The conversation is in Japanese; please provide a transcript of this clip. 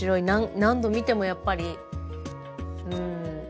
何度見てもやっぱりうん。